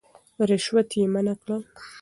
رشوت يې منع کړ.